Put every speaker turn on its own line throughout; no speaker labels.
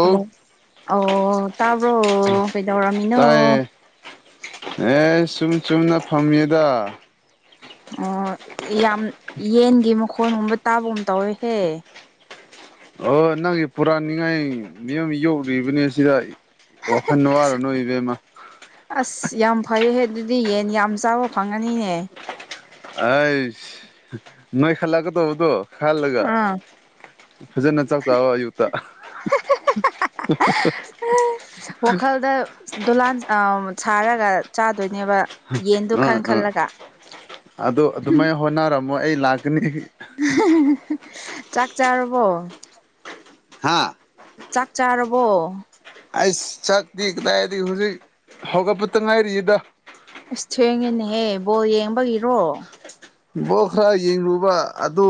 hello ꯑꯣ ꯇꯥꯕ꯭ꯔꯣ ꯀꯩꯗꯧꯔꯝꯃꯤꯅꯣ
ꯇꯥꯏꯌꯦ ꯑꯦ ꯁꯨꯝ ꯆꯨꯝꯅ ꯐꯝꯃꯤꯗ
ꯑꯣ ꯌꯥꯝ ꯌꯦꯟꯒꯤ ꯃꯈꯣꯟꯒꯨꯝꯕ ꯇꯥꯕꯒꯨꯝ ꯇꯧꯋꯦꯍꯦ
ꯑꯣ ꯅꯪꯒꯤ ꯄꯨꯔꯥꯛꯅꯤꯡꯉꯥꯏ ꯃꯌꯥꯝ ꯌꯣꯛꯔꯤꯕꯅꯦ ꯁꯤꯗ
ꯍꯦꯍꯦ
ꯋꯥꯈꯜ ꯋꯥꯔꯨꯅꯨ ꯏꯕꯦꯝꯃ
ꯑꯁ ꯌꯥꯝ ꯐꯩꯌꯦꯍꯦ ꯑꯗꯨꯗꯤ ꯌꯦꯟ ꯌꯥꯝ ꯆꯥꯕ ꯐꯪꯉꯅꯤꯅꯦ
ꯑꯩꯁ ꯅꯣꯏ ꯈꯜꯂꯛꯀꯗꯧꯕꯗꯨ ꯈꯜꯂꯒ
ꯑꯥ
ꯐꯖꯅ ꯆꯥꯛ ꯆꯥꯎꯋꯣ ꯑꯌꯨꯛꯇ ꯍꯨꯍꯨꯍꯨ
ꯋꯥꯈꯜꯗ ꯗꯣꯂꯥꯟ ꯑ ꯁꯥꯔꯒ ꯆꯥꯠ ꯗꯣꯏꯅꯦꯕ ꯌꯦꯟꯗꯣ ꯈꯟ
ꯑꯥ ꯑꯥ
ꯈꯜꯂꯒ ꯍꯝ
ꯃꯣ ꯑꯩ ꯂꯥꯛ
[unintelligible] ꯆꯥꯛ ꯆꯥꯔꯕꯣ
ꯍꯥꯥ
ꯆꯥꯛ ꯆꯥꯔꯕꯣ
ꯑꯩꯁ ꯆꯥꯛꯇꯤ ꯀꯗꯥꯏꯗꯒꯤ ꯍꯨꯖꯤꯛ ꯍꯧꯒꯠꯄꯇ ꯉꯥꯏꯔꯤꯌꯦꯗ
ꯑꯁ ꯊꯦꯡꯉꯦꯅꯦꯍꯦ ꯕꯣꯜ ꯌꯦꯡꯕꯒꯤꯔꯣ
ꯕꯣꯜ ꯈꯔ ꯌꯦꯡꯔꯨꯕ ꯑꯗꯨ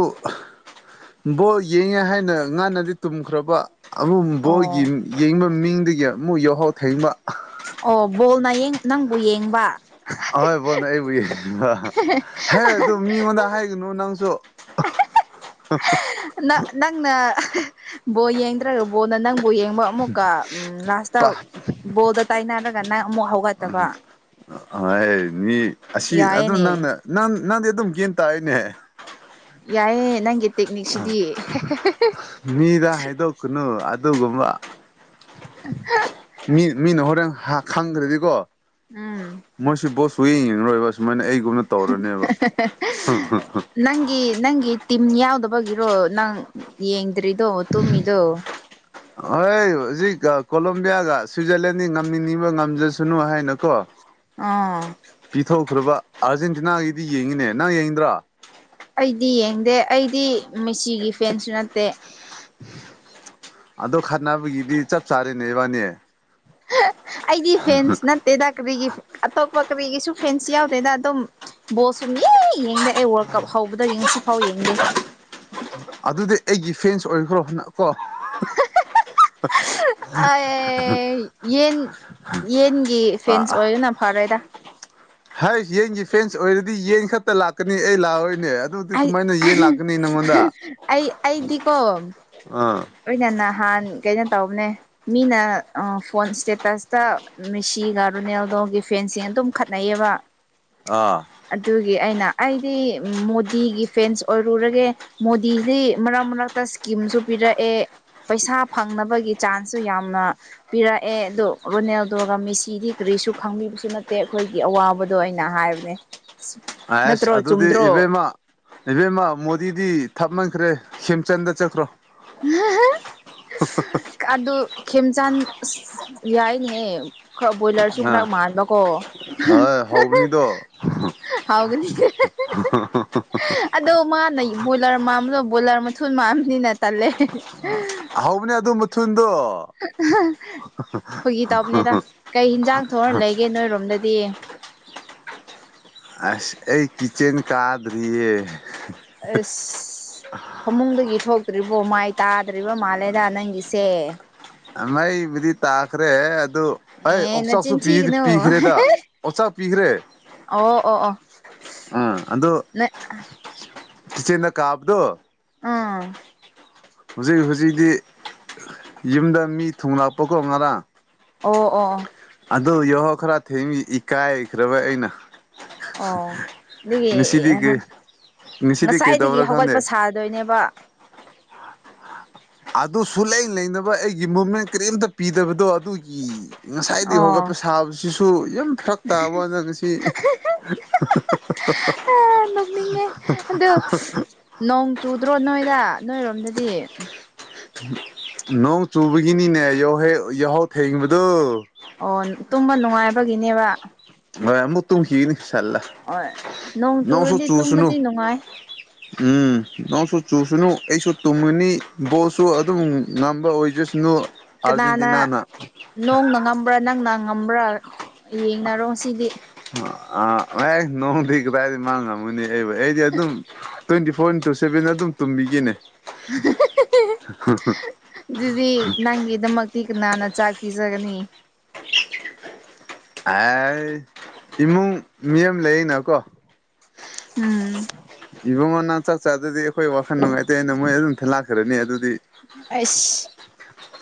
ꯕꯣꯜ ꯌꯦꯡꯉꯦ ꯍꯥꯏꯅ ꯉꯟꯅꯗꯤ ꯇꯨꯝꯈ꯭ꯔꯕ ꯑꯃꯨꯛ
ꯑꯣ
ꯕꯣꯜꯒꯤ ꯌꯦꯡꯕ ꯃꯤꯡꯗꯒꯤ ꯑꯃꯨꯛ ꯌꯥꯍꯧ ꯊꯦꯡꯕ
ꯑꯣ ꯕꯣꯜꯅ ꯌꯦꯡ ꯅꯪꯕꯨ ꯌꯦꯡꯕ
ꯑ ꯍꯣꯏ ꯕꯣꯜꯅ ꯑꯩꯕꯨ ꯍꯦꯡꯕ ꯍꯦ ꯑꯗꯨ ꯃꯤꯉꯣꯟꯗ ꯍꯥꯏꯒꯅꯨ ꯅꯪꯁꯨ
ꯑꯦꯍꯦꯍꯦ ꯅ ꯅꯪꯅ ꯑꯍꯦ ꯕꯣꯜ ꯌꯦꯡꯗ꯭ꯔꯒ ꯕꯣꯜꯅ ꯅꯪ ꯕꯨ ꯌꯦꯡꯕ ꯑꯃꯨꯛꯀ ꯎꯝ ꯂꯥ꯭ꯁꯇ ꯕꯣꯜꯗ ꯇꯥꯏꯅꯔ ꯒ ꯅ ꯑꯃꯨꯛ ꯍꯧꯒꯠꯇꯕꯥ
ꯑꯥꯏ ꯃꯤ ꯑꯁꯤ ꯑꯗꯨ
ꯌꯥꯏꯌꯦꯅꯦ
ꯅꯪꯅ ꯅꯪ ꯅꯪꯗꯤ ꯑꯗꯨꯝ ꯒꯦꯟ ꯇꯥꯏꯌꯦꯅꯦ
ꯌꯥꯏꯌꯦ ꯅꯪꯒꯤ ꯇꯦꯛꯅꯤꯛꯁꯤꯗꯤ ꯍꯦ ꯍꯦ ꯍꯦ
ꯃꯤꯗ ꯍꯥꯏꯗꯣꯛꯀꯅꯨ ꯑꯗꯨꯒꯨꯝꯕ
ꯍꯦ [unintelligible]
ꯃꯤ ꯃꯤꯅ ꯍꯣꯔꯦꯟ ꯍꯥ ꯈꯪꯒ꯭ꯔꯗꯤꯀꯣ
ꯎꯝ
ꯁꯨꯋꯤꯡ ꯔꯣꯏꯕ ꯁꯨꯃꯥꯏꯅ ꯑꯩ
[unintelligible] ꯅꯪꯒꯤ ꯅꯪꯒꯤ ꯇꯤꯝ ꯌꯥꯎꯗꯕꯒꯤꯔꯣ ꯅꯪ ꯌꯦꯡꯗ꯭ꯔꯤꯗꯣ ꯇꯨꯝꯃꯤꯗꯣ
ꯍꯣꯏ ꯍꯨꯖꯤꯛ ꯀꯣꯂꯝꯣꯕꯤꯌꯥꯒ ꯁ꯭ꯋꯤꯖꯔꯂꯦꯟꯅꯤ ꯉꯝꯅꯤꯡꯅꯤꯡꯕ ꯉꯝꯖꯁꯅꯨ ꯍꯥꯏꯅꯀꯣ
ꯑꯥ
ꯄꯤꯊꯣꯛꯈ꯭ꯔꯕ ꯑꯥꯔꯖꯦꯟꯇꯤꯅꯥꯒꯤꯗꯤ ꯌꯦꯡꯉꯤꯅꯦ ꯅꯪ ꯌꯦꯡꯗ꯭ꯔꯣ
ꯑꯩꯗꯤ ꯌꯦꯡꯗꯦ ꯑꯩꯗꯤ ꯃꯦꯁꯤꯒꯤ ꯐꯦꯟꯁꯨ ꯅꯠꯇꯦ
ꯑꯗꯣ ꯈꯠꯅꯕꯒꯤꯗꯤ ꯆꯞ ꯆꯥꯔꯦꯅꯦ ꯏꯕꯥꯅꯦ
ꯑꯩꯒꯤ ꯐꯦꯟꯁ ꯅꯠꯇꯦꯀꯔꯤꯒꯤ ꯑꯇꯣꯞꯄ ꯀꯥꯕꯤꯒꯤꯁꯨ ꯐ꯭ꯔꯦꯟꯁ ꯌꯥꯎꯗꯦꯗ ꯑꯗꯨꯝ ꯕꯣꯜ ꯁꯨꯝ ꯌꯦꯡ ꯌꯦꯡꯗꯦ ꯑꯩ ꯋꯥꯔꯜ ꯀꯞ ꯍꯧꯕꯗꯒꯤ ꯉꯁꯤꯐꯥꯎ ꯌꯦꯡꯗꯦ
ꯑꯗꯨꯗꯤ ꯑꯩꯒꯤ ꯐꯦꯟꯁ ꯑꯣꯏꯈ꯭ꯔꯣꯅ
ꯑ ꯌꯦꯟ ꯌꯦꯟ ꯒꯤ ꯐꯦꯟꯁ ꯑꯣꯏꯗꯅ ꯐꯔꯦꯗ
ꯍꯥꯏ ꯌꯦꯟꯒꯤ ꯐꯦꯟꯁ ꯑꯣꯏꯔꯗꯤ ꯌꯦꯟ ꯈꯛꯇ ꯂꯥꯛꯀꯅꯤ ꯑꯩ ꯂꯥꯛꯑꯣꯏ
ꯑꯩ ꯑꯩ ꯑꯩ ꯑꯩꯗꯤꯀꯣ
ꯑꯥ
ꯑꯣꯏꯅꯅ ꯅꯍꯥꯟ ꯀꯩꯅꯣ ꯇꯧꯕꯅꯦ ꯃꯤꯅ ꯐꯣꯟ ꯏ꯭ꯁꯇꯦꯇꯁꯇ ꯃꯦꯁꯤꯒ ꯔꯨꯅꯦꯜꯗꯣ ꯅꯣꯒꯤ ꯐꯦꯟꯁꯤꯡ ꯑꯗꯨꯝ ꯈꯠꯅꯩꯌꯦꯕ
ꯑꯥ
ꯒꯤ ꯑꯩꯅ ꯑꯩꯗꯤ ꯃꯣꯗꯤꯒꯤ ꯐꯦꯟꯁ ꯑꯣꯏꯔꯨꯔꯒꯦ ꯃꯣꯗꯤꯁꯤ ꯃꯔꯛ ꯃꯔꯛꯇ ꯀꯤꯝꯁꯨ ꯄꯤꯔꯛꯑꯦ ꯄꯩꯁꯥ ꯐꯪꯅꯕꯒꯤ ꯆꯥꯟꯁꯁꯨ ꯌꯥꯝꯅ ꯄꯤꯔꯛꯑꯦ ꯑꯗꯨ ꯔꯣꯅꯦꯜꯗꯣꯒ ꯃꯦꯁꯤꯗꯤ ꯀꯔꯤ ꯀꯩꯁꯨ ꯈꯪꯕꯤꯕꯁꯨ ꯅꯠꯇꯦ ꯑꯈꯣꯏꯒꯤ ꯑꯋꯥꯕꯗꯣ ꯑꯩꯅ ꯍꯥꯏꯕꯅꯦ
ꯑꯦꯁ
ꯅꯠꯇ꯭ꯔꯣ
ꯑꯗꯨꯗꯤ
ꯆꯨꯝꯗ꯭ꯔꯣ
ꯏꯕꯦꯝꯃ ꯏꯕꯦꯝꯃ ꯃꯣꯗꯤꯗꯤ ꯊꯥꯞꯃꯟꯈ꯭ꯔꯦ ꯁꯦꯝꯆꯟꯗ ꯆꯠꯈ꯭ꯔꯣ
ꯑ ꯑꯗꯨ ꯈꯦꯝꯆꯥꯟ ꯑꯁ ꯌꯥꯏꯅꯦꯍꯦ ꯈꯔ ꯕꯣꯏꯂꯔꯁꯨ
ꯑꯥ
ꯈꯔ ꯃꯥꯟꯕꯀꯣ
ꯍꯣꯏ
[unintelligible]
ꯍꯧꯕꯅꯤꯗꯣ
ꯍꯥꯎꯒꯅꯤ ꯑꯗꯣ ꯃꯥꯅ ꯕꯣꯏꯂꯔ ꯃꯥꯗꯣ ꯕꯣꯏꯂꯔ ꯃꯊꯨꯜ ꯃꯥꯝꯕꯅꯤ ꯅꯠꯇꯦ ꯇꯜꯂꯦ
ꯍꯧꯕꯅꯦ ꯑꯗꯨ ꯃꯊꯨꯟꯗꯣ
ꯐꯒꯤ ꯇꯧꯕꯅꯦꯗ ꯀꯩ ꯍꯦꯟꯖꯥꯡ ꯊꯣꯛꯔ ꯂꯩꯒꯦ ꯅꯣꯏꯔꯣꯝꯗꯗꯤ
ꯑ ꯑꯩ ꯀꯆꯦꯟ ꯀꯥꯗꯔꯤꯌꯦ
ꯑꯁ ꯐꯃꯨꯡꯗꯒꯤ ꯊꯣꯛꯇ꯭ꯔꯤꯕꯣ ꯃꯥꯏ ꯇꯥꯗ꯭ꯔꯤꯕ ꯃꯥꯜꯂꯦꯗ ꯅꯪꯒꯤꯁꯦ
ꯑ ꯑꯩꯕꯨꯗꯤ ꯇꯥꯈ꯭ꯔꯦ ꯑꯗꯨ ꯑꯩ
ꯑꯦ
ꯑꯣꯛꯆꯥꯛꯁꯨ
ꯅꯆꯤꯟ ꯊꯤꯒꯅꯨ
ꯄꯤꯈ꯭ꯔꯦꯗ ꯑꯣꯛꯆꯥꯛ ꯄꯤꯈ꯭ꯔꯦ
ꯑꯣ ꯑꯣ ꯑꯣ
ꯑꯥ ꯑꯗꯨ
ꯅꯣꯏ
ꯆꯤꯆꯦꯅ ꯀꯥꯕꯗꯣ
ꯎꯝ
ꯍꯧꯖꯤꯛ ꯍꯧꯖꯤꯛꯗꯤ ꯌꯨꯝꯗ ꯃꯤ ꯊꯨꯡꯂꯛꯄ ꯀꯣ ꯉꯔꯥꯡ
ꯑꯣ ꯑꯣ ꯑꯣ
ꯑꯗꯨ ꯌꯦꯍꯣ ꯈꯔ ꯊꯦꯡ ꯏꯀꯥꯏꯈ꯭ꯔꯕ ꯑꯩꯅ
ꯑꯣ
ꯉꯁꯤꯗꯤ ꯀꯩ
[unintelligible]
ꯉꯁꯤꯗꯤ
ꯉꯁꯥꯏꯗꯒꯤ
ꯀꯩꯗꯧꯕ꯭ꯔꯥ ꯈꯪꯗꯦ
ꯍꯧꯒꯠꯄ ꯁꯥꯗꯣꯏꯅꯦꯕ
ꯑꯗꯨ ꯁꯨꯂꯩ ꯂꯩꯅꯕ ꯑꯩꯒꯤ ꯃꯨꯞꯃꯦꯟ ꯀꯔꯤꯝꯇ ꯄꯤꯗꯕꯗꯣ ꯑꯗꯨꯒꯤ ꯉꯁꯥꯏꯗꯒꯤ
ꯑꯣ
ꯍꯧꯣꯒꯠꯄ ꯁꯥꯕꯁꯤꯁꯨ ꯌꯨꯝꯈꯛ ꯇꯥꯕꯅ ꯉꯁꯤ ꯍꯥ ꯍꯥ ꯍꯥ
ꯅꯣꯛꯅꯤꯡꯉꯦ ꯑꯗꯣ ꯆꯨꯗ꯭ꯔꯣ ꯅꯣꯏꯗ ꯅꯣꯏꯔꯣꯝꯗꯗꯤ
ꯅꯣꯡ ꯆꯨꯕꯒꯤꯅꯤꯅꯦ ꯌꯥꯎꯍꯦ ꯌꯥꯍꯧ ꯊꯦꯡꯕꯗꯣ
ꯑꯣ ꯇꯨꯝꯕ ꯅꯨꯡꯉꯥꯏꯕꯒꯤꯅꯦꯕ
ꯍꯣꯏ ꯑꯃꯨꯛ ꯇꯨꯜꯈꯤꯒꯅꯤ ꯁꯜꯂꯥ
ꯍꯣꯏ ꯅꯣꯡ
ꯅꯣꯡꯁꯨ
ꯆꯨꯔꯗꯤ
ꯆꯨꯁꯅꯨ
ꯇꯨꯝꯕꯗꯤ ꯅꯨꯡꯉꯥꯏ
ꯎꯝ ꯅꯪꯁꯨ ꯆꯨꯁꯅꯨ ꯑꯩꯁꯨ ꯇꯨꯝꯉꯨꯅꯤ ꯕꯣꯜꯁꯨ ꯑꯗꯨꯝ ꯉꯝꯅꯕ ꯑꯣꯏꯖꯁꯅꯨ
ꯀꯅꯥꯅ
ꯑꯥꯔꯖꯦꯟꯇꯤꯅꯥꯅ
ꯅꯣꯡꯅ ꯉꯝꯕ꯭ꯔꯥ ꯅꯪꯅ ꯉꯝꯕ꯭ꯔꯥ ꯌꯦꯡꯅꯔꯣ ꯁꯤꯗꯤ
ꯑꯦ ꯅꯣꯡꯗꯤ ꯀꯗꯥꯏꯗꯒꯤ ꯃꯥ ꯉꯝꯃꯨꯅꯤ ꯑꯩꯕ ꯑꯩꯗꯤ ꯑꯗꯨꯝ ꯇ꯭ꯋꯦꯟꯇꯤ ꯐꯣꯔ ꯏꯟꯇꯨ ꯁꯕꯦꯟ ꯑꯗꯨꯝ ꯇꯨꯝꯕꯤꯒꯤꯅꯦ
ꯑꯗꯨꯤꯗꯤ ꯅꯪꯒꯤꯗꯃꯒ ꯇꯤꯛ ꯀꯥꯟꯅꯅ ꯆꯥꯛ ꯄꯤꯖꯒꯅꯤ
ꯑꯦ ꯏꯃꯨꯡ ꯃꯤ ꯑꯃ ꯂꯩꯔꯤꯅꯀꯣ
ꯎꯝ
ꯅꯟ ꯆꯥꯛ ꯆꯥꯗꯗꯤ ꯑꯩꯈꯣꯏ ꯋꯥꯈꯜ ꯅꯨꯡꯉꯥꯏꯇꯦ ꯑꯩꯅ ꯃꯣꯏ ꯑꯗꯨꯝ ꯂꯥꯛꯈ꯭ꯔꯅꯤ ꯑꯗꯨꯗꯤ
ꯑꯩꯁ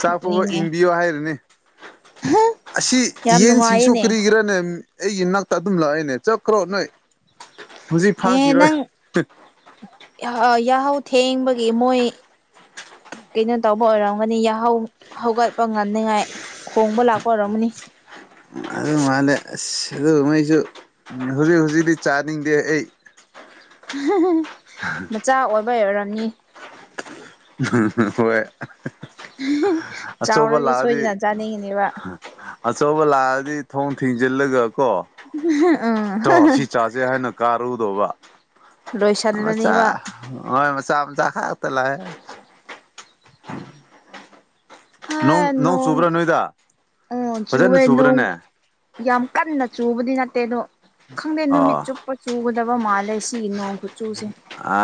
ꯆꯥꯛꯐꯕ
ꯅꯣꯛꯅꯤꯡꯉꯦ
ꯏꯟꯕꯤꯌꯣ ꯍꯥꯏꯔꯅꯤ ꯑꯁꯤ
ꯌꯥꯝ
ꯌꯦꯟꯁꯤꯡꯁꯨ
ꯅꯨꯡꯉꯥꯏꯌꯦꯅꯦ
ꯀꯔꯤꯒꯤꯔꯅꯦ ꯑꯩꯒꯤꯅꯥꯛꯇ ꯑꯗꯨꯝ ꯂꯥꯛꯏꯅꯦ ꯆꯠꯈ꯭ꯔꯣ ꯅꯣꯏ ꯍꯧꯖꯤꯛ
ꯑꯦ
ꯐꯥꯈꯤꯔꯣꯏ
ꯅꯪ ꯌꯥꯍꯧ ꯊꯦꯡꯕꯒꯤ ꯃꯣꯏ
[inaudible]
ꯀꯩꯅꯣ ꯇꯧꯕ ꯑꯣꯏꯔꯝꯒꯅꯤ ꯌꯥꯍꯧ ꯍꯧꯒꯠꯄ ꯉꯝꯅꯤꯉꯥꯏ ꯍꯣꯡꯕ ꯂꯥꯛꯄ ꯑꯣꯏꯔꯝꯒꯅꯤ
ꯑꯗꯨ ꯃꯥꯂꯦ ꯑꯁ ꯑꯗꯨꯒ ꯃꯩꯁꯨ ꯍꯧꯖꯤꯛ ꯍꯧꯖꯤꯗꯤ ꯆꯥꯅꯤꯡꯗꯦ ꯑꯩ
ꯍ ꯍ ꯃꯆꯥ ꯑꯣꯏꯕꯩ ꯑꯣꯢꯔꯝꯅꯤ
ꯍꯣꯏ ꯑꯆꯧꯕ
ꯆꯥꯎꯔꯗꯤ
ꯂꯥꯛꯑꯗꯤ
ꯁꯣꯏꯗꯅ ꯆꯥꯅꯤꯡꯉꯤꯅꯦꯕ
ꯑꯆꯧꯕ ꯂꯥꯛꯑꯗꯤ ꯊꯣꯡ ꯊꯤꯡꯖꯤꯜꯂꯒ ꯀꯣ
ꯎꯝ
ꯇꯣ ꯁꯤ ꯆꯥꯁꯦ ꯍꯥꯏꯅ ꯀꯥꯔꯨꯗꯕ ꯃꯆꯥ
ꯂꯣꯏꯁꯤꯜꯂꯅꯦꯕ
ꯍꯣꯏ ꯃꯆꯥ ꯃꯆꯥ ꯈꯥꯛꯇ ꯂꯥꯛꯑꯦꯅꯦ
ꯍ ꯅꯣꯡ ꯎ
ꯐꯖꯅ
ꯆꯨꯋꯦ ꯅꯣꯡ
ꯆꯨꯕ꯭ꯔꯥꯅꯦ
ꯌꯥꯝ ꯀꯟꯅ ꯆꯨꯕꯗꯤ ꯅꯠ ꯅꯠꯇꯦ ꯑꯗꯣ ꯈꯪꯗꯦ
ꯑꯣ
ꯅꯨꯃꯤꯠ ꯆꯨꯞꯄ ꯆꯨꯒꯗꯕ ꯃꯥꯜꯂꯦ ꯁꯤꯒꯤ ꯅꯣꯡ ꯈꯨꯠꯆꯨꯁꯦ
ꯑ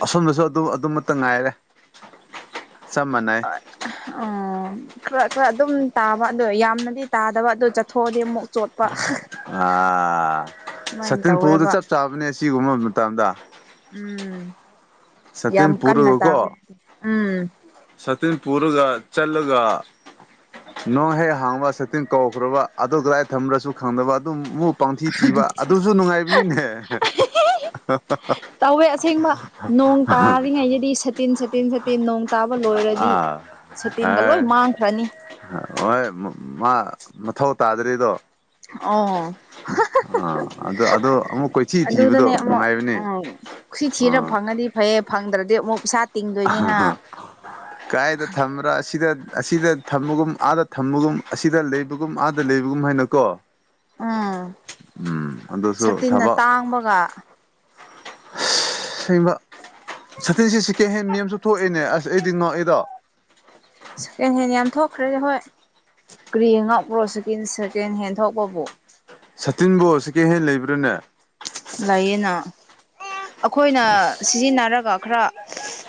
ꯑꯁꯣꯝꯗꯁꯨ ꯑꯗꯨꯝ ꯑꯗꯨꯃꯇ ꯉꯥꯏꯔꯦ ꯆꯞ ꯃꯥꯟꯅꯩ
ꯑ ꯈꯔ ꯈꯔ ꯑꯗꯨꯝ ꯇꯥꯕ ꯑ ꯌꯥꯝꯅꯗꯤ ꯇꯥꯗꯕ ꯑꯗꯨ ꯆꯠꯊꯣꯛꯑꯗꯤ ꯑꯃꯨꯛ ꯆꯣꯠꯄ
ꯑꯥ
ꯑꯗꯨꯃꯥꯏꯅ
ꯁꯇꯤꯟ ꯐꯨꯔꯗ
ꯇꯧꯋꯦꯕ
ꯆꯞ ꯆꯥꯕꯅꯦ ꯑꯁꯤꯒꯨꯝꯕ ꯃꯇꯝꯗ
ꯎꯝ
ꯁꯥꯇꯤꯟ
ꯌꯥꯝ ꯀꯟꯅ
ꯄꯨꯔꯒꯀꯣ
ꯇꯥꯗꯦ ꯎꯝ
ꯁꯥꯇꯤꯟ ꯄꯨꯔꯒ ꯆꯂꯒ ꯅꯣꯡ ꯍꯦꯛ ꯍꯥꯡꯕ ꯁꯇꯤꯟ ꯀꯧꯈ꯭ꯔꯕ ꯑꯗꯨ ꯀꯗꯥꯏ ꯊꯝꯃ꯭ꯔꯁꯨ ꯈꯪꯗꯕ ꯑꯗꯨꯨ ꯃꯨꯛ ꯄꯪꯊꯤ ꯊꯤꯕ ꯑꯗꯨꯖꯨ ꯅꯨꯡꯉꯥꯏꯕꯅꯤꯅꯦ
ꯇꯧꯋꯦ ꯑꯁꯦꯡꯕ ꯅꯣꯡ ꯇꯥꯔꯤꯉꯩꯗꯗꯤ ꯁꯠꯇꯤꯟ ꯁꯥꯇꯤꯟ ꯁꯥꯠꯇꯤꯟ ꯅꯣꯡ ꯇꯥꯕ ꯂꯣꯏꯔꯗꯤ
ꯑꯥ
ꯁꯇꯤꯟꯒ ꯂꯣꯏ ꯃꯥꯡꯈ꯭ꯔꯅꯤ
ꯑ ꯋꯣꯏ ꯃꯥ ꯃꯊꯧ ꯇꯥꯗ꯭ꯔꯤꯗꯣ
ꯑꯣ
ꯑ
ꯑꯗꯨꯗꯅꯦ ꯑꯃꯨꯛ
ꯅꯨꯡꯉꯥꯏꯕꯅꯦ
ꯎ ꯈꯨꯁꯤ ꯊꯤꯔ
ꯑꯥ
ꯐꯪꯉꯗꯤ ꯐꯩꯌꯦ ꯐꯪꯗ꯭ꯔꯗꯤ ꯑꯃꯨꯛ ꯄ꯭ꯁꯥꯠ
ꯀꯥꯏꯗ ꯊꯝꯕ꯭ꯔꯥ ꯑꯁꯤꯗ ꯑꯁꯤꯗ ꯊꯝꯃꯒꯨꯝ ꯑꯥꯗ ꯊꯝꯃꯒꯨꯝ ꯑꯁꯤꯗ ꯂꯩꯕꯒꯨꯝ ꯑꯥꯗ ꯂꯩꯕꯒꯨꯝ ꯍꯥꯏꯅꯀꯣ
ꯎꯝ
ꯎꯝ ꯑꯗꯨꯁꯨ
ꯁꯇꯤꯟꯅ
ꯊꯕꯛ
ꯇꯥꯡꯕꯒ
ꯕ ꯁꯇꯤꯟꯁꯤ ꯁꯤ ꯀꯦꯍꯦꯟ ꯃ꯭ꯌꯥꯝꯁꯨ ꯊꯣꯛꯑꯦꯅꯦ ꯑꯁ ꯑꯩꯗꯤ ꯅꯣ ꯑꯦꯗꯣ
ꯁꯦꯀꯦꯟ ꯍꯦꯟ ꯌꯥꯝ ꯊꯣꯛꯈ꯭ꯔꯦꯗ ꯍꯣꯏ ꯀ꯭ꯔꯤ ꯉꯛꯄ꯭ꯔꯣ ꯁꯤ ꯁꯦꯀꯦꯟ ꯍꯦꯟ ꯊꯣꯛꯄꯕꯨ
ꯁꯇꯤꯟꯕꯨ ꯁꯦꯀꯦꯟ ꯍꯦꯟ ꯂꯩꯕ꯭ꯔꯥꯅꯦ
ꯂꯩꯌꯦꯅ ꯑꯈꯣꯏꯅ
ꯑꯁ
ꯁꯤꯖꯤꯟꯅꯔꯒ ꯈꯔ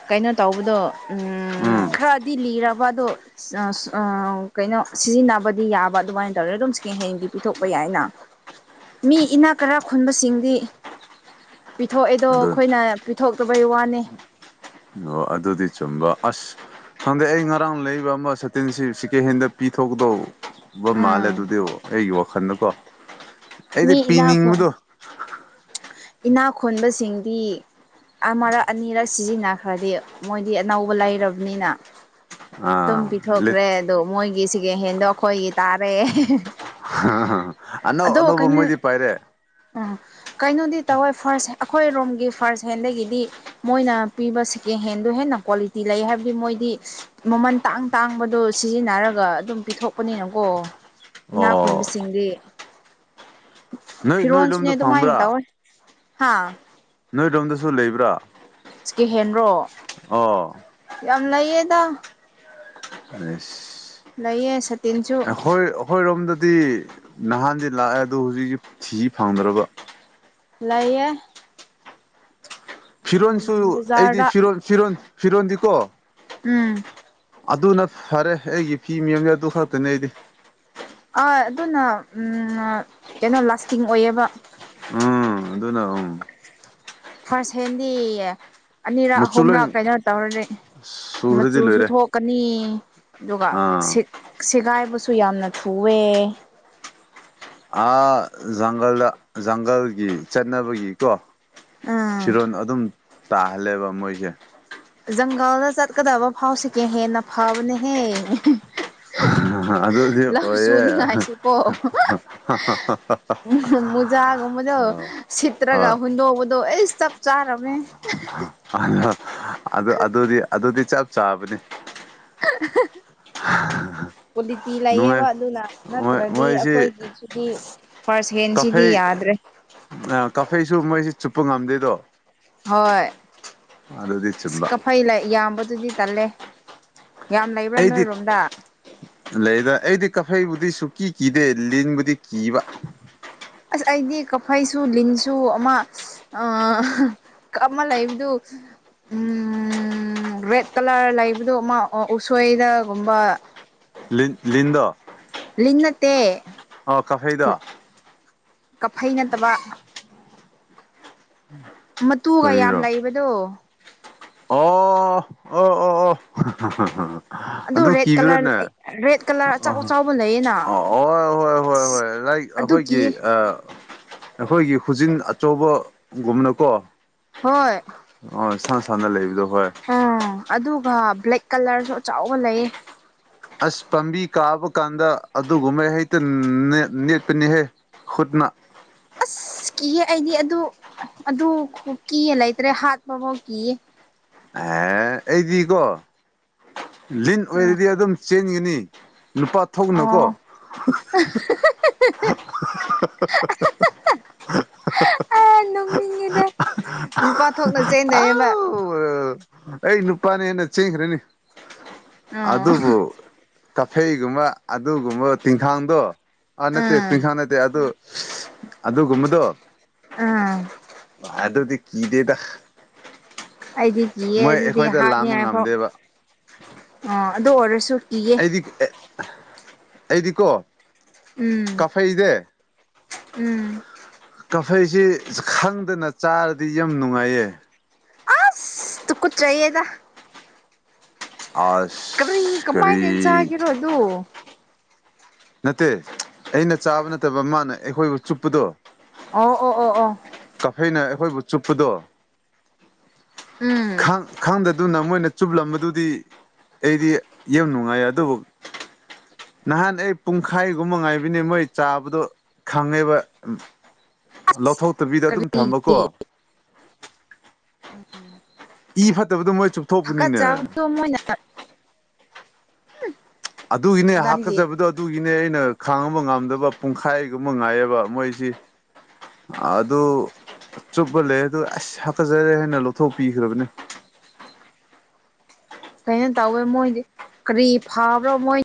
ꯀꯩꯅꯣ ꯇꯧꯕꯗꯣ ꯎꯝ ꯈꯔꯗꯤ ꯂꯤꯔ ꯕꯗꯣ ꯀꯩꯅꯣ ꯁꯤꯖꯤꯟꯅꯕꯗꯤ ꯌꯥꯕ ꯑꯗꯨꯃꯥꯏꯅ ꯇꯧꯔꯅ ꯑꯗꯨꯝ ꯁꯦꯀꯦꯟꯍꯦꯟꯒꯤ ꯄꯤꯊꯣꯛꯄ ꯌꯥꯏ ꯌꯥꯢꯅ ꯃꯤ ꯏꯅꯥ ꯀꯥꯔꯥ ꯈꯨꯟꯕꯁꯤꯡ ꯗꯤ ꯄꯤꯊꯣꯛꯑꯦꯗꯣ
ꯑꯗꯨ
ꯑꯈꯣꯏꯅ ꯄꯤꯊꯣꯛꯇꯕꯩ ꯋꯥꯅꯤ
ꯑꯣ ꯑꯗꯨꯗꯤ ꯆꯨꯝꯕ ꯑꯁ ꯁꯪꯗꯩ ꯑꯩ ꯉꯔꯥꯡ ꯂꯩꯔꯤꯕ ꯑꯃ ꯁꯇꯤꯟꯁꯤ ꯁꯦꯀꯦꯟ ꯍꯦꯟꯗ ꯄꯤꯊꯣꯛꯀꯗꯧꯕ ꯕ ꯃꯥꯜꯂꯦ
ꯎꯝ
ꯑꯗꯨꯗꯤ ꯑꯩꯒꯤ ꯋꯥꯈꯜꯗꯀꯣ ꯑꯩꯗꯤ
ꯃꯤ
ꯄꯤꯅꯤꯡꯕꯗꯣ
ꯏꯅꯥꯈꯣꯟꯕꯁꯤꯡꯗꯤ ꯑꯃꯔꯛ ꯑꯅꯤꯔꯛ ꯁꯤꯖꯤꯟꯅꯈ꯭ꯔꯗꯤ ꯃꯣꯏꯗꯤ ꯑꯅꯧꯕ ꯂꯩꯔꯕꯅꯤꯅ ꯑꯗꯨꯝ
ꯑꯥ ꯂꯤꯠ
ꯄꯤꯊꯣꯛꯈ꯭ꯔꯦ ꯑꯗꯣ ꯃꯣꯏꯒꯤ ꯁꯤꯒ ꯍꯦꯟꯗꯣ ꯑꯩꯈꯣꯏꯒꯤ ꯇꯥꯔꯦ
ꯑꯅꯧ ꯑꯅꯧ
ꯑꯗꯣ ꯀꯩꯅꯣ ꯑꯥ ꯀꯩꯅꯣꯗꯤ ꯇꯧꯋꯦ ꯐꯥꯔꯁ ꯍ ꯑꯩꯈꯣꯏ ꯔꯣꯝꯒꯤ ꯐꯥꯔ꯭ꯁ ꯍꯦꯟꯗꯒꯤꯗꯤ ꯃꯣꯏꯅ ꯄꯤꯕ ꯁꯦꯀꯦꯟ ꯍꯦꯟꯗ ꯍꯦꯟꯅ ꯀ꯭ꯋꯥꯂꯤꯇꯤ ꯂꯩ ꯍꯥꯏꯕꯗꯤ ꯃꯣꯏꯗꯤ ꯃꯃꯟ ꯇꯥꯡ ꯇꯥꯡꯕꯗꯣ ꯁꯤꯖꯤꯟꯅꯔꯒ ꯑꯗꯨꯝ ꯄꯤꯊꯣꯛꯄꯅꯤꯅꯀꯣ ꯑꯣ ꯏꯅꯥ
ꯑꯣ
ꯈꯨꯟꯕꯁꯤꯡꯗꯤ
ꯅꯣꯏ ꯅꯣꯏ
ꯐꯤꯔꯣꯟꯜꯁꯨꯅꯦ
ꯂꯣꯝꯗ
ꯑꯗꯨꯃꯥꯏꯅ
ꯐꯪꯕ꯭ꯔꯥ
ꯇꯧꯋꯦ ꯍꯥꯥ
ꯅꯣꯏꯔꯣꯝꯗꯁꯨ ꯂꯩꯕ꯭ꯔꯥ
ꯁꯦꯀꯦꯍꯦꯟꯔꯣ
ꯑꯣ
ꯌꯥꯝ ꯂꯩꯌꯦꯗ
ꯑꯁ
ꯂꯩꯌꯦ ꯁꯠ
ꯑꯩꯈꯣꯏ ꯑꯩꯈꯣꯏ ꯔꯣꯝꯗ ꯗꯤ ꯅꯍꯥꯟꯗꯤ ꯂꯥꯛꯑꯦ ꯑꯗꯨꯗꯣ ꯍꯧꯖꯤꯛꯇꯤ ꯊꯤ ꯐꯪꯗ꯭ꯔꯕ
ꯂꯩꯌꯦ
ꯐꯤꯔꯣꯟꯁꯨ
ꯎꯝ
ꯑꯩꯗꯤ
ꯕꯖꯥꯔꯗ
ꯐꯤꯔꯣꯟ ꯐꯤꯔꯣꯟ ꯐꯤꯔꯣꯟꯗꯤꯀꯣ
ꯎꯝ
ꯑꯗꯨꯅ ꯐꯔꯦ ꯑꯩꯒꯤ ꯐꯤ ꯃꯌꯣꯝꯁꯦ ꯑꯗꯨ ꯈꯛꯇꯅꯦ ꯑꯩꯗꯤ
ꯑꯥ ꯑꯗꯨꯅ ꯎꯝ ꯀꯩꯅꯣ ꯂꯥꯁꯇꯤꯡ ꯑꯣꯏꯌꯦꯕ
ꯎꯝ ꯑꯗꯨꯅ ꯎꯝ
ꯐꯥꯔꯁ ꯍꯦꯟꯗꯤ ꯑꯅꯤꯔꯛ
ꯃꯆꯨ ꯂꯣꯏ
ꯑꯍꯨꯝꯔꯛ ꯀꯩꯅꯣ ꯇꯧꯔꯅꯤ
ꯁꯨꯔꯗꯤ
ꯃꯆꯨꯁꯨ
ꯂꯣꯏꯔꯦ
ꯊꯣꯛꯀꯅꯤ ꯑꯗꯨꯒ
ꯑꯥ
ꯁꯦꯒꯥꯏꯕꯁꯨ ꯁꯨ ꯌꯥꯝꯅ ꯊꯨꯑꯦ
ꯑꯥ ꯖꯪꯒꯜꯗ ꯖꯪꯒꯜꯒꯤ ꯆꯠꯅꯕꯒꯤꯀꯣ
ꯎꯝ
ꯐꯤꯔꯣꯜ ꯑꯗꯨꯝ ꯇꯥꯍꯜꯂꯦꯕ ꯃꯣꯏꯁꯦ
ꯖꯪꯒꯥꯜꯗ ꯆꯠꯀꯗꯕ ꯐꯥꯎꯁꯤ ꯀꯦ ꯍꯦꯟꯅ ꯐꯕꯅꯦꯍꯦ
ꯑꯗꯨꯗꯤ
[unintelligible] ꯂꯧꯛꯁꯨ
ꯑꯣꯏꯌꯦ
ꯅꯤꯡꯉꯥꯏꯁꯨ ꯀꯣ ꯃꯨꯖꯥꯒꯨꯝꯕꯗꯣ ꯁꯤꯠꯇ꯭ꯔꯒ
ꯍꯣꯏ
ꯍꯨꯟꯗꯣꯛꯄꯗꯣ ꯑꯦꯁ ꯆꯞ ꯆꯥꯔꯝꯃꯦ
[unintelligible] ꯑꯗꯨ ꯑꯗꯨꯗꯤ ꯑꯗꯨꯗꯤ ꯆꯞ ꯆꯥꯕꯅꯤ
[unintelligible]
[unintelligible]
ꯀ꯭ꯋꯥꯂꯤꯇꯤ
ꯅꯨꯡꯉꯥꯏ
ꯂꯩꯌꯦꯕ ꯑꯗꯨꯅ
ꯃꯣꯏ
ꯅꯠꯇ꯭ꯔꯗꯤ
ꯃꯣꯏꯁꯤ
ꯑꯩꯈꯣꯏꯒꯤꯁꯤꯗꯤ ꯐꯥꯔꯁ ꯍꯦꯟꯁꯤꯗꯤ ꯌꯥ ꯌꯥꯗꯔꯦ
ꯑ ꯀꯥꯐꯩꯁꯨ ꯃꯣꯏꯁꯤ ꯆꯨꯞꯄ ꯉꯝꯗꯦꯗꯣ
ꯍꯣꯏ
ꯑꯗꯨꯗꯤ
ꯑꯁ
ꯆꯨꯝꯕ
ꯀꯐꯩ ꯌꯥꯝꯕꯗꯨꯗꯤ ꯇꯜꯂꯦ ꯌꯥꯝ ꯂꯩꯕ꯭ꯔꯥ
ꯑꯩꯗꯤ
ꯅꯣꯏꯔꯣꯝꯗ
ꯂꯩꯗ ꯑꯩꯗꯤ ꯀꯐꯩꯕꯨ ꯗꯤ ꯁꯨꯀꯤ ꯀꯤꯗꯦ ꯂꯤꯟꯕꯨꯗꯤ ꯀꯤꯕ
ꯑꯁ ꯑꯩꯗꯤ ꯀꯐꯩꯁꯨ ꯂꯤꯟꯁꯨ ꯑꯃ ꯀꯑꯂ ꯂꯩꯕꯗꯨ ꯎꯝ ꯔꯦꯠ ꯀꯂꯔ ꯂꯩꯕꯗꯣ ꯃꯥ ꯎꯁꯣꯏꯗꯒꯨꯝꯕ
ꯂꯤꯟ ꯂꯤꯟꯗꯣ
ꯂꯤꯟ ꯅꯠꯇꯦ
ꯑꯣ ꯀꯐꯩꯗꯣ
ꯀꯐꯩ ꯅꯠꯇꯕ ꯃꯇꯨꯒ ꯌꯥꯝ
ꯀꯔꯤꯔꯣ
ꯂꯩꯕꯗꯣ
ꯑꯣ ꯑꯣ ꯑꯣ ꯑꯗꯨ
ꯔꯦꯠ ꯀꯂꯔ
ꯀꯕꯔꯅꯦ
ꯔꯦꯠ ꯀꯂꯔ ꯑꯆꯥꯎ ꯑꯆꯥꯎꯕ ꯂꯩꯌꯦꯅ
ꯑ ꯑꯣ ꯍꯣꯏ ꯍꯣꯏ ꯍꯣꯏ ꯂꯥꯏ
ꯑꯗꯨ
ꯑꯩꯈꯣꯏꯒꯤ
ꯀꯤꯌꯦ
ꯑꯩꯈꯣꯏꯒꯤ ꯍꯨꯖꯤꯟ ꯑꯆꯧꯕꯒꯨꯝꯕꯅꯀꯣ
ꯍꯣꯏ
ꯁꯥꯟꯅ ꯂꯩꯕꯗꯣ ꯍꯣꯏ
ꯑꯥ ꯑꯗꯨꯒ ꯕ꯭ꯂꯦꯛ ꯀꯂꯔꯁꯨ ꯑꯆꯥꯎꯕ ꯂꯩꯌꯦ
ꯑꯁ ꯄꯥꯝꯕꯤ ꯀꯥꯕ ꯀꯥꯟꯗ ꯑꯗꯨꯒꯨꯝꯕ ꯍꯦꯛꯇ ꯅꯦꯠ ꯅꯦꯠꯄꯅꯤꯍꯦ ꯈꯨꯨꯠꯅ [inaudible]
ꯀꯤꯌꯦ ꯑꯩꯗꯤ ꯑꯗꯨ ꯑꯗꯨ ꯈꯨꯀꯤꯌꯦ ꯂꯩꯇ꯭ꯔꯦ ꯍꯥꯠꯄꯐꯥꯎ ꯀꯤꯌꯦ
ꯑꯦ ꯑꯩꯗꯤꯀꯣ ꯂꯤꯟ
ꯎꯝ
ꯑꯣꯏꯔꯗꯤ ꯑꯗꯨꯝ ꯆꯦꯟꯒꯅꯤ ꯂꯨꯄꯥ ꯊꯣꯛꯅꯀꯣ
ꯑꯣ
[unintelligible]
ꯑ ꯅꯣꯅꯤꯡꯉꯤꯗ ꯅꯨꯄꯥ ꯊꯣꯛꯅ ꯆꯦꯟꯗꯣꯏꯅꯦꯕ
ꯑꯥꯎ ꯑꯩ ꯅꯨꯄꯥꯅꯦꯅ ꯆꯦꯟꯈ꯭ꯔꯅꯤ
ꯎꯝ
ꯑꯗꯨꯕꯨ ꯀꯐꯩꯒꯨꯝꯕ ꯑꯗꯨꯒꯨꯝꯕ ꯇꯤꯡꯈꯥꯡꯗꯣ ꯑ ꯅꯠꯇꯦ
ꯎꯝ
ꯇꯤꯡꯈꯥꯡ ꯅꯠꯇꯦ ꯑꯗꯨ ꯑꯗꯨꯒꯨꯝꯕꯗꯣ
ꯎꯝ
ꯑ ꯑꯗꯨꯗꯤ ꯀꯤꯗꯦꯗ
ꯂꯤꯌꯦ
ꯃꯣꯏ
ꯑꯗꯨꯗꯤ
ꯑꯩꯈꯣꯏꯗ
ꯍꯥꯠꯅꯤ
ꯂꯥꯝꯕ
ꯍꯥꯏꯐꯥꯎ
ꯉꯝꯗꯦꯕ
ꯑꯥ ꯑꯗꯨ ꯑꯣꯏꯔꯁꯨ ꯀꯤꯌꯦ
ꯑꯩꯗꯤ ꯑꯩꯗꯤꯀꯣ
ꯎꯝ
ꯀꯥꯐꯩꯁꯦ
ꯎꯝ
ꯐꯩꯁꯤ ꯈꯪꯗꯅ ꯆꯥꯔꯗꯤ ꯌꯥꯝ ꯅꯨꯡꯉꯥꯏꯌꯦ
ꯑꯥꯁ ꯇꯨꯀꯨꯠꯆꯩꯌꯦꯗꯥ ꯀꯔꯤ
ꯑꯁ
ꯀꯃꯥꯏꯅꯅ
ꯀꯔꯤ
ꯆꯥꯒꯦꯔꯣ ꯑꯗꯨ
ꯅꯠꯇꯦ ꯑꯩꯅ ꯆꯥꯕ ꯅꯠꯇꯕ ꯃꯥꯅ ꯑꯩꯈꯣꯏꯕꯨ ꯆꯨꯞꯄꯗꯣ
ꯑ ꯑꯣ ꯑꯣ ꯑꯣ
ꯀꯥꯐꯩꯅ ꯑꯩꯈꯣꯏꯕꯨ ꯆꯨꯞꯄꯗꯣ
ꯎꯝ
ꯈꯥꯡ ꯈꯥꯡꯗꯗꯨꯅ ꯃꯣꯏꯅ ꯆꯨꯞꯂꯝꯕꯗꯨꯗꯤ ꯑꯩꯗꯤ ꯌꯥꯝ ꯅꯨꯡꯉꯥꯏ ꯑꯗꯨꯕꯨ ꯅꯍꯥꯟ ꯑꯩ ꯄꯨꯡꯈꯥꯏꯒꯨꯝꯕ ꯉꯥꯏꯕꯅꯦ ꯃꯣꯏ ꯆꯥꯕꯗꯣ ꯈꯪꯉꯤꯕ ꯂꯧꯊꯣꯛꯇꯕꯤꯗ ꯑꯗꯨꯝ
ꯀꯔꯤꯒꯤ
ꯊꯝꯃꯀꯣ
ꯍꯥꯀꯠ
ꯆꯨꯞꯊꯣꯛꯄꯅꯤꯅꯦ
ꯆꯥꯕꯗꯣ ꯃꯣꯏꯅ
ꯑꯗꯨꯒꯤꯅꯦ
ꯗꯥꯒꯤ
ꯍꯥꯀꯠꯆꯕꯗꯣ ꯑꯗꯨꯒꯤꯅꯦ ꯑꯩꯅ ꯈꯥꯡꯉꯕ ꯉꯝꯗꯕ ꯄꯨꯡꯈꯥꯏꯒꯨꯝꯕ ꯉꯥꯏꯌꯦꯕ ꯃꯣꯏꯁꯤ ꯑꯗꯨ ꯆꯨꯞꯄꯜ ꯂꯩ ꯑꯗꯨ ꯑꯁ ꯍꯥꯀꯠꯆꯔꯦ ꯍꯥꯏꯅ ꯂꯧꯊꯣꯛꯄꯤꯈ꯭ꯔꯕꯅꯦ
ꯀꯩꯅꯣ ꯇꯧꯋꯦ ꯃꯣꯏꯗꯤ ꯀ꯭ꯔꯤ ꯐꯥꯕ꯭ꯔꯣ ꯃꯣꯏ